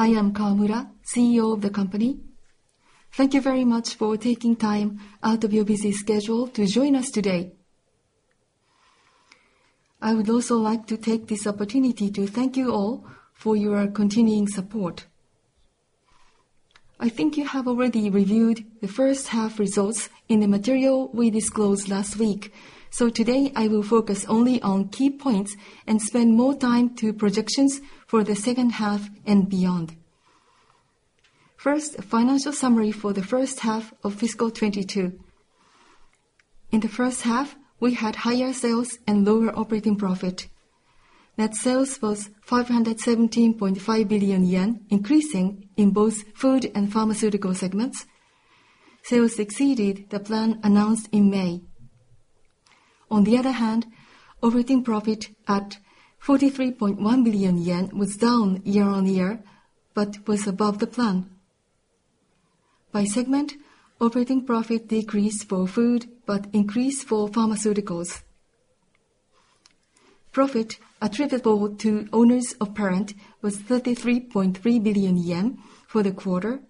I am Kawamura, CEO of the company. Thank you very much for taking time out of your busy schedule to join us today. I would also like to take this opportunity to thank you all for your continuing support. I think you have already reviewed the first half results in the material we disclosed last week. Today, I will focus only on key points and spend more time on projections for the second half and beyond. First, financial summary for the first half of fiscal 2022. In the first half, we had higher sales and lower operating profit. Net sales was 517.5 billion yen, increasing in both food and pharmaceutical segments. Sales exceeded the plan announced in May. On the other hand, operating profit at 43.1 billion yen was down year-on-year, but was above the plan. By segment, operating profit decreased for food but increased for pharmaceuticals. Profit attributable to owners of parent was 33.3 billion yen for the quarter.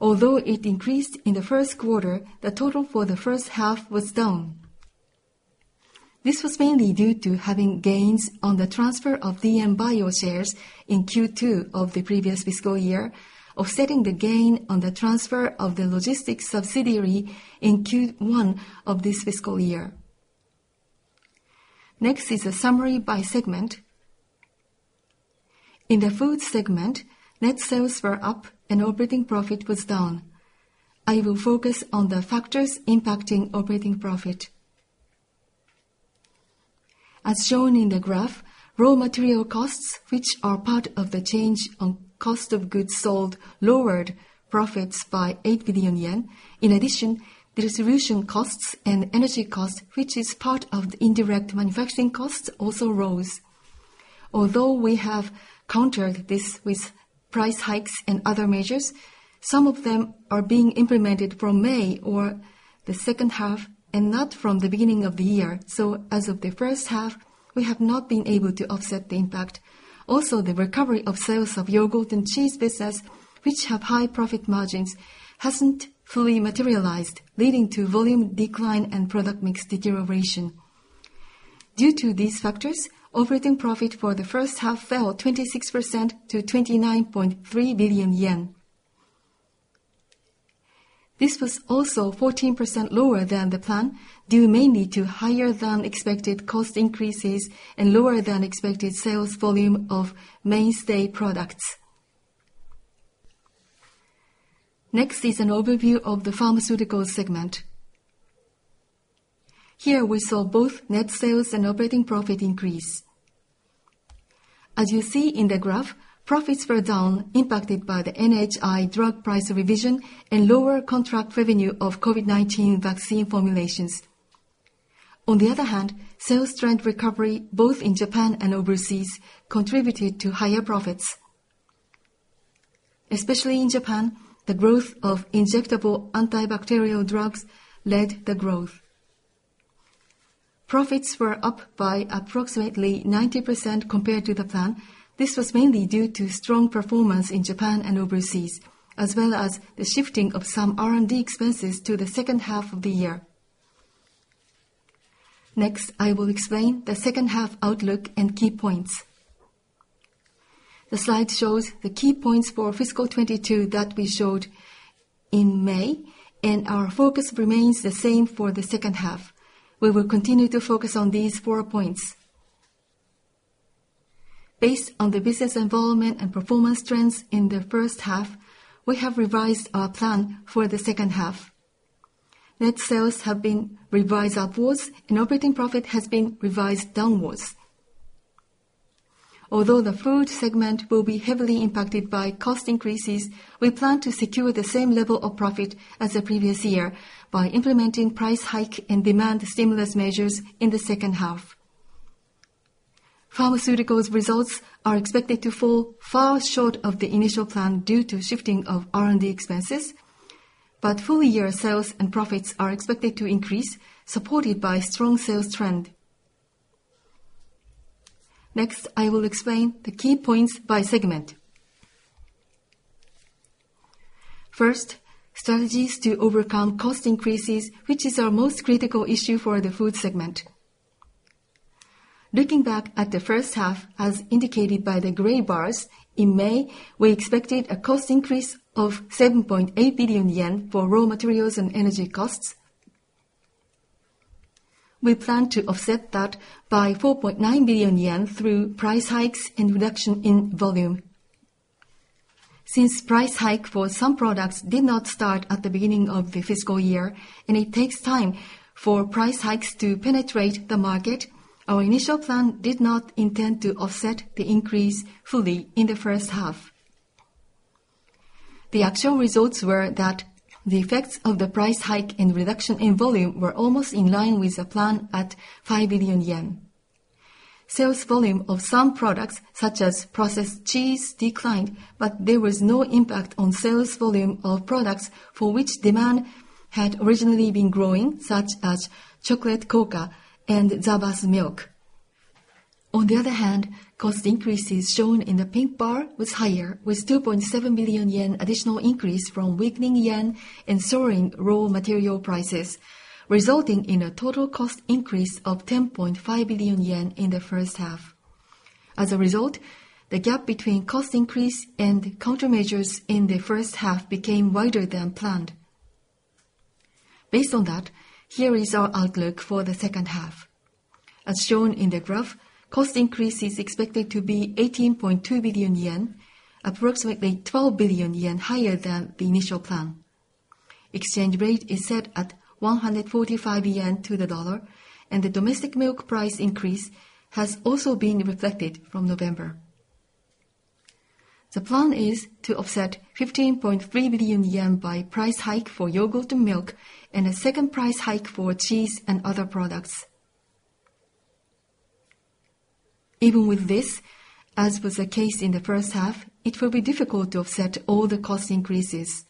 Although it increased in the first quarter, the total for the first half was down. This was mainly due to having gains on the transfer of DM Bio shares in Q2 of the previous fiscal year, offsetting the gain on the transfer of the logistics subsidiary in Q1 of this fiscal year. Next is a summary by segment. In the food segment, net sales were up and operating profit was down. I will focus on the factors impacting operating profit. As shown in the graph, raw material costs, which are part of the change on cost of goods sold, lowered profits by 8 billion yen. In addition, the solution costs and energy costs, which is part of the indirect manufacturing costs, also rose. Although we have countered this with price hikes and other measures, some of them are being implemented from May or the second half and not from the beginning of the year. As of the first half, we have not been able to offset the impact. Also, the recovery of sales of yogurt and cheese business, which have high profit margins, hasn't fully materialized, leading to volume decline and product mix deterioration. Due to these factors, operating profit for the first half fell 26% to 29.3 billion yen. This was also 14% lower than the plan, due mainly to higher than expected cost increases and lower than expected sales volume of mainstay products. Next is an overview of the pharmaceutical segment. Here we saw both net sales and operating profit increase. As you see in the graph, profits were down, impacted by the NHI drug price revision and lower contract revenue of COVID-19 vaccine formulations. On the other hand, sales trend recovery both in Japan and overseas contributed to higher profits. Especially in Japan, the growth of injectable antibacterial drugs led the growth. Profits were up by approximately 90% compared to the plan. This was mainly due to strong performance in Japan and overseas, as well as the shifting of some R&D expenses to the second half of the year. Next, I will explain the second half outlook and key points. The slide shows the key points for FY 2022 that we showed in May, and our focus remains the same for the second half. We will continue to focus on these four points. Based on the business involvement and performance trends in the first half, we have revised our plan for the second half. Net sales have been revised upwards and operating profit has been revised downwards. Although the food segment will be heavily impacted by cost increases, we plan to secure the same level of profit as the previous year by implementing price hike and demand stimulus measures in the second half. Pharmaceuticals results are expected to fall far short of the initial plan due to shifting of R&D expenses, but full year sales and profits are expected to increase, supported by strong sales trend. Next, I will explain the key points by segment. First, strategies to overcome cost increases, which is our most critical issue for the food segment. Looking back at the first half, as indicated by the gray bars, in May, we expected a cost increase of 7.8 billion yen for raw materials and energy costs. We plan to offset that by 4.9 billion yen through price hikes and reduction in volume. Since price hike for some products did not start at the beginning of the fiscal year, and it takes time for price hikes to penetrate the market, our initial plan did not intend to offset the increase fully in the first half. The actual results were that the effects of the price hike and reduction in volume were almost in line with the plan at 5 billion yen. Sales volume of some products, such as processed cheese, declined, but there was no impact on sales volume of products for which demand had originally been growing, such as Chocolate Kouka and SAVAS Milk. On the other hand, cost increases shown in the pink bar was higher, with 2.7 billion yen additional increase from weakening yen and soaring raw material prices, resulting in a total cost increase of 10.5 billion yen in the first half. As a result, the gap between cost increase and countermeasures in the first half became wider than planned. Based on that, here is our outlook for the second half. As shown in the graph, cost increase is expected to be 18.2 billion yen, approximately 12 billion yen higher than the initial plan. Exchange rate is set at 145 yen to the dollar, and the domestic milk price increase has also been reflected from November. The plan is to offset 15.3 billion yen by price hike for yogurt and milk, and a second price hike for cheese and other products. Even with this, as was the case in the first half, it will be difficult to offset all the cost increases.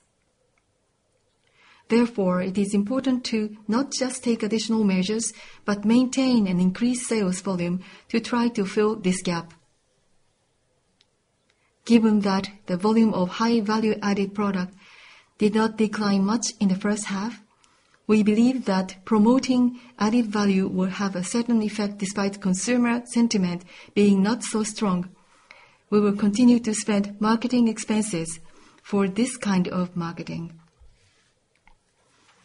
Therefore, it is important to not just take additional measures, but maintain an increased sales volume to try to fill this gap. Given that the volume of high value-added product did not decline much in the first half, we believe that promoting added value will have a certain effect despite consumer sentiment being not so strong. We will continue to spend marketing expenses for this kind of marketing.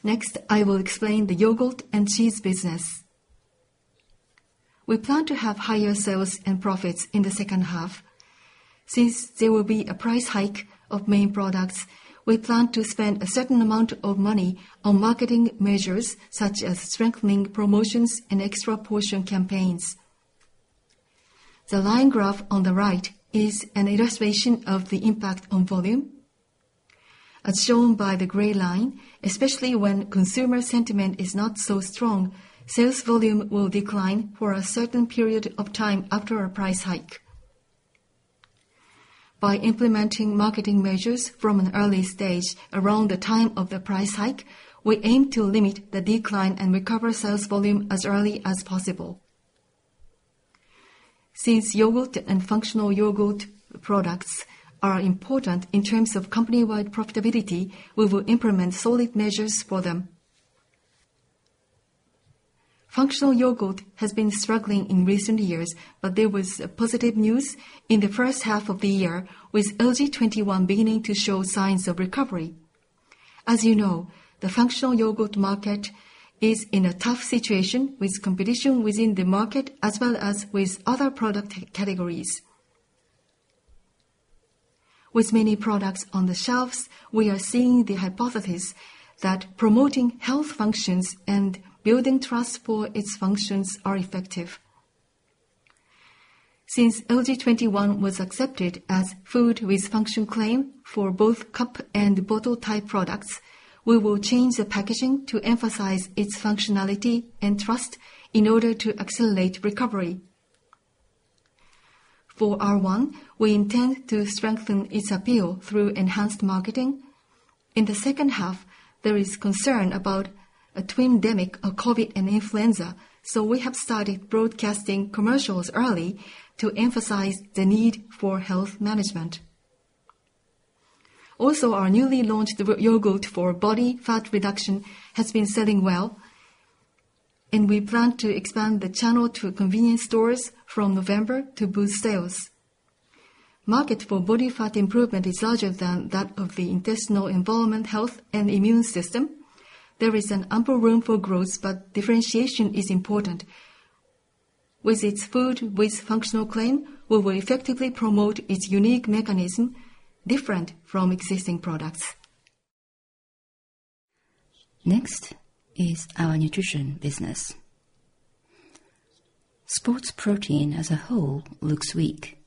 Next, I will explain the yogurt and cheese business. We plan to have higher sales and profits in the second half. Since there will be a price hike of main products, we plan to spend a certain amount of money on marketing measures, such as strengthening promotions and extra portion campaigns. The line graph on the right is an illustration of the impact on volume. As shown by the gray line, especially when consumer sentiment is not so strong, sales volume will decline for a certain period of time after a price hike. By implementing marketing measures from an early stage around the time of the price hike, we aim to limit the decline and recover sales volume as early as possible. Since yogurt and functional yogurt products are important in terms of company-wide profitability, we will implement solid measures for them. Functional yogurt has been struggling in recent years, but there was positive news in the first half of the year with LG21 beginning to show signs of recovery. As you know, the functional yogurt market is in a tough situation with competition within the market, as well as with other product categories. With many products on the shelves, we are seeing the hypothesis that promoting health functions and building trust for its functions are effective. Since LG21 was accepted as Foods with Function Claims for both cup and bottle-type products, we will change the packaging to emphasize its functionality and trust in order to accelerate recovery. For R-1, we intend to strengthen its appeal through enhanced marketing. In the second half, there is concern about a twindemic of COVID-19 and influenza, so we have started broadcasting commercials early to emphasize the need for health management. Our newly launched yogurt for body fat reduction has been selling well, and we plan to expand the channel to convenience stores from November to boost sales. Market for body fat improvement is larger than that of the intestinal environment health and immune system. There is an ample room for growth, but differentiation is important. With its Foods with Function Claims, we will effectively promote its unique mechanism different from existing products. Next is our nutrition business. Sports protein as a whole looks weak,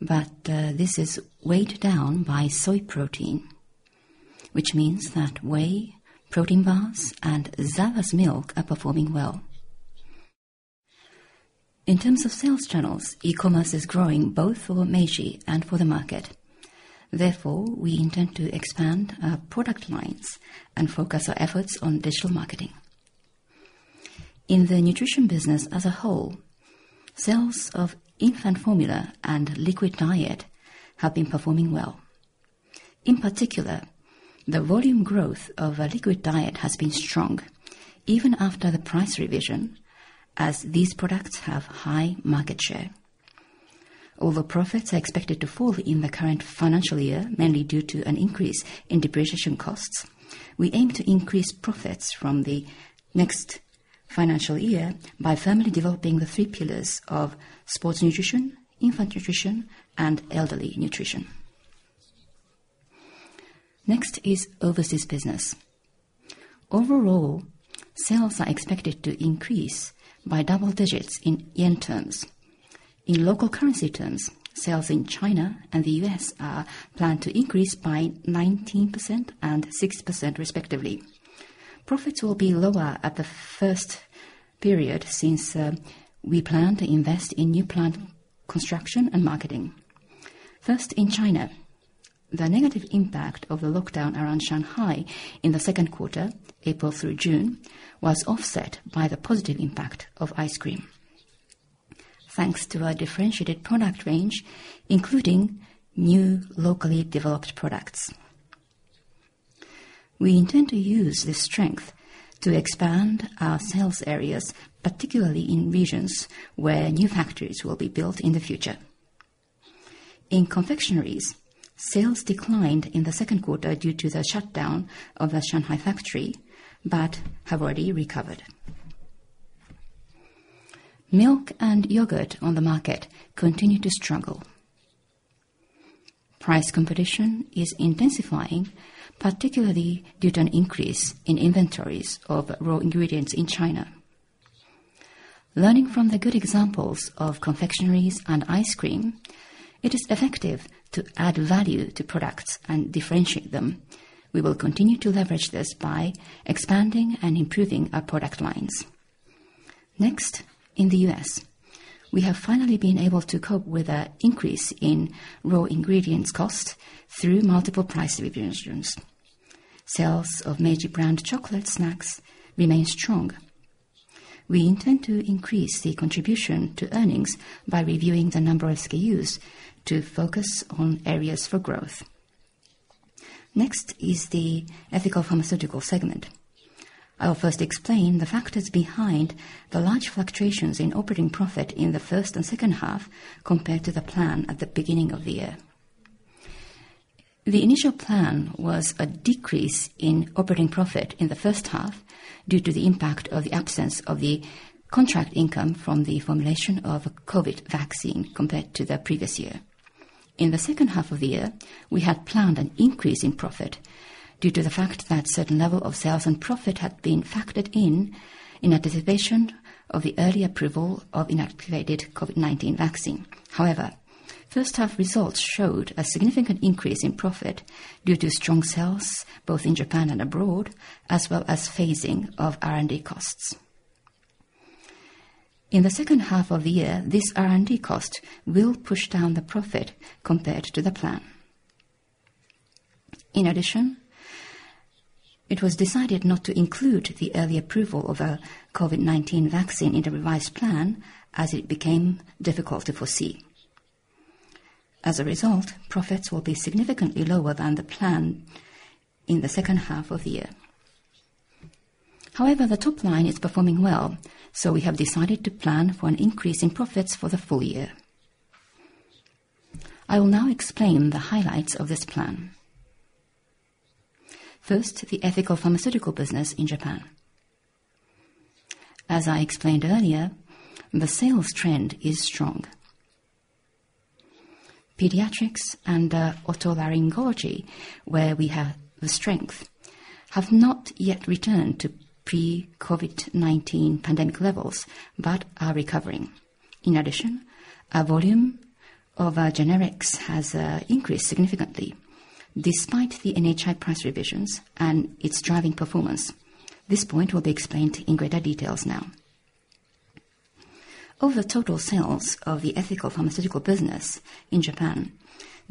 but this is weighed down by soy protein, which means that whey, protein bars, and SAVAS Milk are performing well. In terms of sales channels, e-commerce is growing both for Meiji and for the market. Therefore, we intend to expand our product lines and focus our efforts on digital marketing. In the nutrition business as a whole, sales of infant formula and liquid diet have been performing well. In particular, the volume growth of a liquid diet has been strong even after the price revision as these products have high market share. Although profits are expected to fall in the current financial year, mainly due to an increase in depreciation costs, we aim to increase profits from the next financial year by firmly developing the three pillars of sports nutrition, infant nutrition, and elderly nutrition. Next is overseas business. Overall, sales are expected to increase by double digits in yen terms. In local currency terms, sales in China and the U.S. are planned to increase by 19% and 6% respectively. Profits will be lower at the first period since we plan to invest in new plant construction and marketing. First, in China, the negative impact of the lockdown around Shanghai in the second quarter, April through June, was offset by the positive impact of ice cream. Thanks to our differentiated product range, including new locally developed products. We intend to use this strength to expand our sales areas, particularly in regions where new factories will be built in the future. In confectioneries, sales declined in the second quarter due to the shutdown of the Shanghai factory, but have already recovered. Milk and yogurt on the market continue to struggle. Price competition is intensifying, particularly due to an increase in inventories of raw ingredients in China. Learning from the good examples of confectioneries and ice cream, it is effective to add value to products and differentiate them. We will continue to leverage this by expanding and improving our product lines. Next, in the U.S., we have finally been able to cope with an increase in raw ingredients cost through multiple price reductions. Sales of Meiji brand chocolate snacks remain strong. We intend to increase the contribution to earnings by reviewing the number of SKUs to focus on areas for growth. Next is the ethical pharmaceutical segment. I'll first explain the factors behind the large fluctuations in operating profit in the first and second half compared to the plan at the beginning of the year. The initial plan was a decrease in operating profit in the first half due to the impact of the absence of the contract income from the formulation of a COVID-19 vaccine compared to the previous year. In the second half of the year, we had planned an increase in profit due to the fact that certain level of sales and profit had been factored in in anticipation of the early approval of inactivated COVID-19 vaccine. However, first half results showed a significant increase in profit due to strong sales both in Japan and abroad, as well as phasing of R&D costs. In the second half of the year, this R&D cost will push down the profit compared to the plan. In addition, it was decided not to include the early approval of a COVID-19 vaccine in the revised plan as it became difficult to foresee. As a result, profits will be significantly lower than the plan in the second half of the year. However, the top line is performing well, so we have decided to plan for an increase in profits for the full year. I will now explain the highlights of this plan. First, the ethical pharmaceutical business in Japan. As I explained earlier, the sales trend is strong. Pediatrics and otolaryngology, where we have the strength, have not yet returned to pre-COVID-19 pandemic levels, but are recovering. In addition, our volume of our generics has increased significantly despite the NHI price revisions and its driving performance. This point will be explained in greater details now. Of the total sales of the ethical pharmaceutical business in Japan,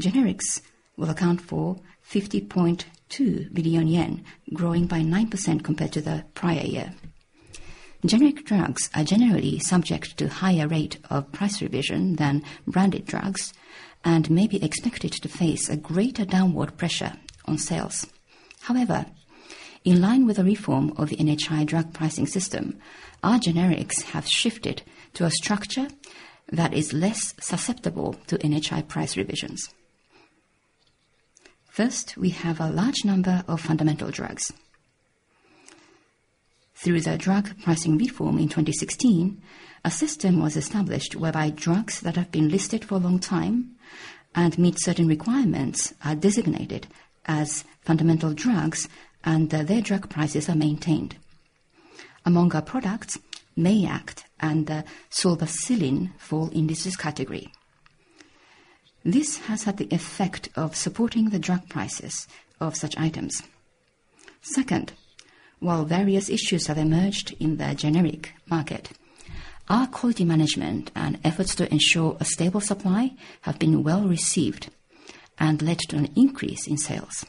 generics will account for 50.2 billion yen, growing by 9% compared to the prior year. Generic drugs are generally subject to higher rate of price revision than branded drugs and may be expected to face a greater downward pressure on sales. However, in line with the reform of NHI drug pricing system, our generics have shifted to a structure that is less susceptible to NHI price revisions. First, we have a large number of fundamental drugs. Through the drug pricing reform in 2016, a system was established whereby drugs that have been listed for a long time and meet certain requirements are designated as fundamental drugs, and their drug prices are maintained. Among our products, Meiact and sorbicillin fall in this category. This has had the effect of supporting the drug prices of such items. Second, while various issues have emerged in the generic market, our quality management and efforts to ensure a stable supply have been well received and led to an increase in sales.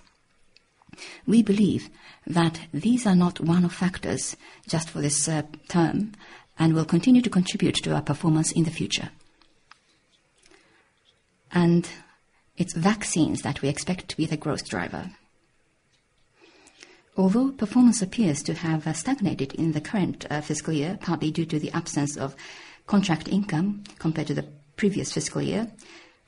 We believe that these are not one-off factors just for this term and will continue to contribute to our performance in the future. It's vaccines that we expect to be the growth driver. Although performance appears to have stagnated in the current fiscal year, partly due to the absence of contract income compared to the previous fiscal year,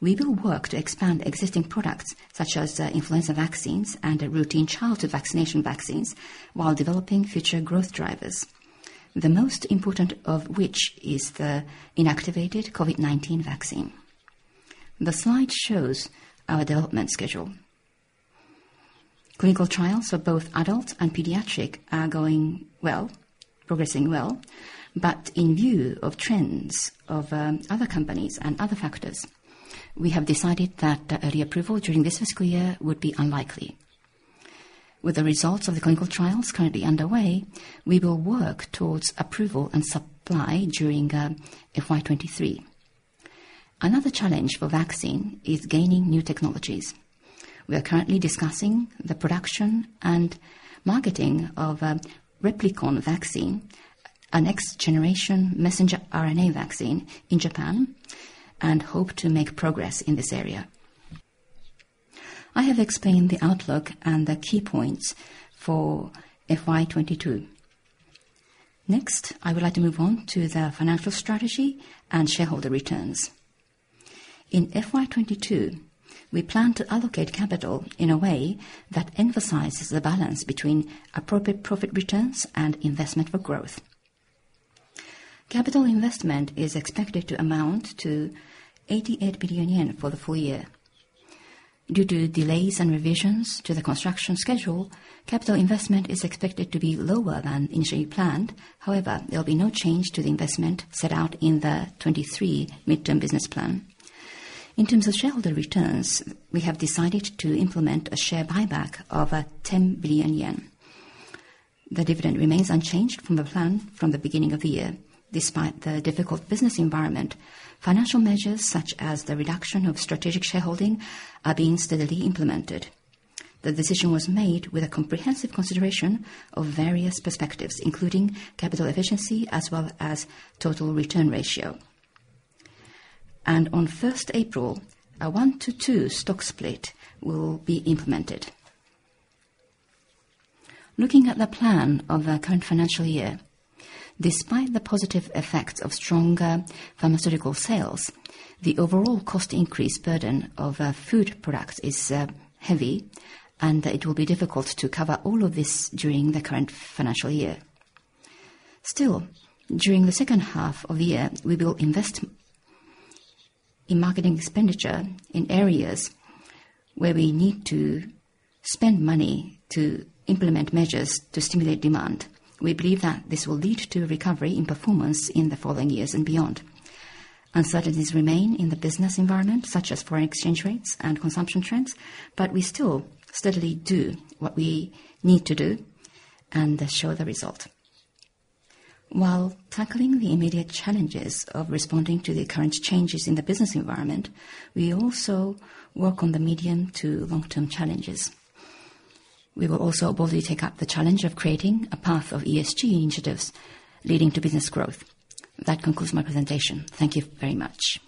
we will work to expand existing products such as influenza vaccines and routine childhood vaccination vaccines while developing future growth drivers, the most important of which is the inactivated COVID-19 vaccine. The slide shows our development schedule. Clinical trials for both adult and pediatric are going well, progressing well, but in view of trends of other companies and other factors, we have decided that early approval during this fiscal year would be unlikely. With the results of the clinical trials currently underway, we will work towards approval and supply during FY 2023. Another challenge for vaccine is gaining new technologies. We are currently discussing the production and marketing of a replicon vaccine, a next-generation messenger RNA vaccine in Japan, and hope to make progress in this area. I have explained the outlook and the key points for FY 2022. Next, I would like to move on to the financial strategy and shareholder returns. In FY 2022, we plan to allocate capital in a way that emphasizes the balance between appropriate profit returns and investment for growth. Capital investment is expected to amount to 88 billion yen for the full year. Due to delays and revisions to the construction schedule, capital investment is expected to be lower than initially planned. However, there'll be no change to the investment set out in the 2023 Midterm Business Plan. In terms of shareholder returns, we have decided to implement a share buyback of ten billion yen. The dividend remains unchanged from the plan from the beginning of the year. Despite the difficult business environment, financial measures such as the reduction of strategic shareholding are being steadily implemented. The decision was made with a comprehensive consideration of various perspectives, including capital efficiency as well as total return ratio. On April 1, a one-to-two stock split will be implemented. Looking at the plan of our current financial year, despite the positive effects of stronger pharmaceutical sales, the overall cost increase burden of food products is heavy, and it will be difficult to cover all of this during the current financial year. Still, during the second half of the year, we will invest in marketing expenditure in areas where we need to spend money to implement measures to stimulate demand. We believe that this will lead to a recovery in performance in the following years and beyond. Uncertainties remain in the business environment, such as foreign exchange rates and consumption trends, but we still steadily do what we need to do and show the result. While tackling the immediate challenges of responding to the current changes in the business environment, we also work on the medium to long-term challenges. We will also boldly take up the challenge of creating a path of ESG initiatives leading to business growth. That concludes my presentation. Thank you very much.